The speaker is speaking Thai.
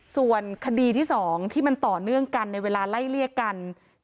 ส่วนคดีที่๒ที่มันต่อเนื่องกันในเวลาไล่เลี่ยกัน